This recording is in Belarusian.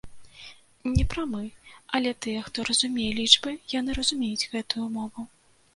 Не прамы, але тыя, хто разумее лічбы, яны разумеюць гэтую мову.